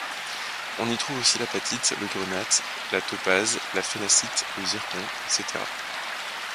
On y trouve aussi l'apatite, le grenat, la topaze, la phénacite, le zircon, etc.